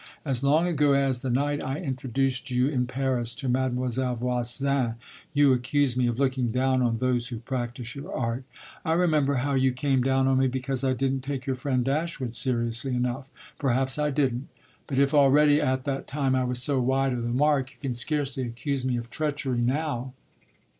"As long ago as the night I introduced you, in Paris, to Mademoiselle Voisin, you accused me of looking down on those who practise your art. I remember how you came down on me because I didn't take your friend Dashwood seriously enough. Perhaps I didn't; but if already at that time I was so wide of the mark you can scarcely accuse me of treachery now."